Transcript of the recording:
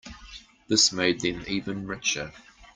This made them even richer.